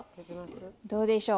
どうでしょう？